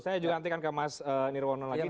saya juga nantikan ke mas nirwono lagi